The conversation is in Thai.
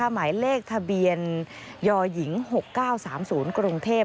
หมายเลขทะเบียนยหญิง๖๙๓๐กรุงเทพฯ